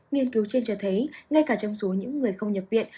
nghiên cứu trên cho thấy ngay cả trong số những người không nhập viện